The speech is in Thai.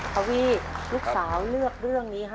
ทวีลูกสาวเลือกเรื่องนี้ให้